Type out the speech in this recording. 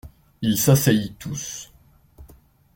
Ils s’asseyent tous.